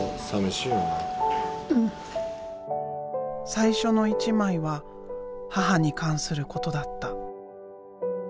最初の一枚は母に関することだった。